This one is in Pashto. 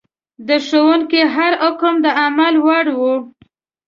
د ښوونکي هر حکم د عمل وړ و.